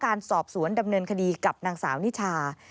การสอบสวนดำเนินคดีกับนางสาวนิชา